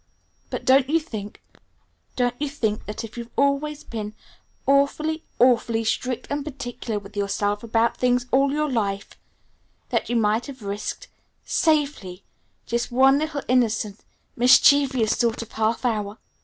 But don't you think don't you think that if you've always been awfully, awfully strict and particular with yourself about things all your life, that you might have risked safely just one little innocent, mischievous sort of a half hour?